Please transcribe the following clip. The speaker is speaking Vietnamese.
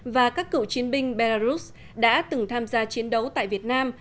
và các cựu chiến binh belarus đã từng tham gia chiến đấu tại việt nam